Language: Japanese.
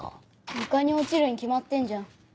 床に落ちるに決まってんじゃん。